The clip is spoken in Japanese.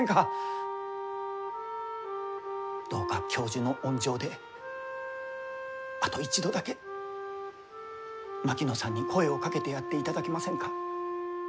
どうか教授の温情であと一度だけ槙野さんに声をかけてやっていただけませんか？